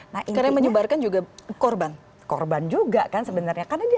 karena menyebarkan juga korban korban juga kan sebenarnya karena dia